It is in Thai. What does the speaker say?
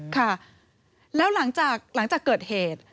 ค่ะแล้วหลังจากเกิดเหตุ